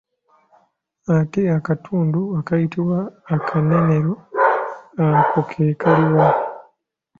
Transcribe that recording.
Ate akatundu akayitibwa akanenero ako ke kaliwa?